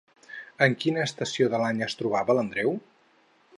En quina estació de l'any es trobava l'Andreu?